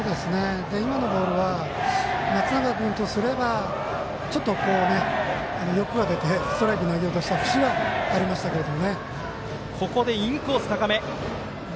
今のボールは松永君とすればちょっと欲が出てストライクを投げようとしたふしはありましたね。